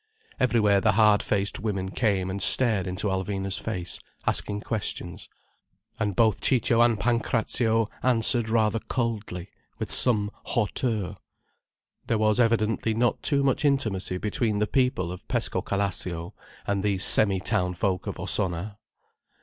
Everywhere the hard faced women came and stared into Alvina's face, asking questions. And both Ciccio and Pancrazio answered rather coldly, with some hauteur. There was evidently not too much intimacy between the people of Pescocalascio and these semi townfolk of Ossona.